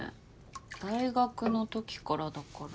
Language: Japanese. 大学のときからだから。